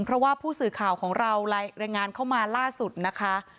เพราะว่าผู้สื่อข่าวของเรารายงานเข้ามาล่าสุดนะคะ